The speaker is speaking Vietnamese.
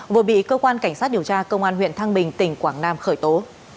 vừa bị cơ quan cảnh sát điều tra công an huyện thăng bình tỉnh quảng nam khởi tố